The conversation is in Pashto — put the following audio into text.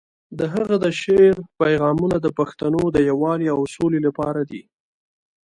د هغه د شعر پیغامونه د پښتنو د یووالي او سولې لپاره دي.